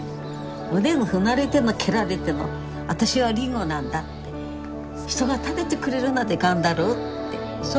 でも踏まれても蹴られても私はりんごなんだって人が食べてくれるまで頑張ろうってそう思うから。